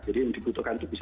yang dibutuhkan itu bisa